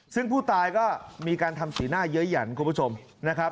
ซึ่งผู้ตายก็มีการทำสีหน้าเยอะหยั่นคุณผู้ชมนะครับ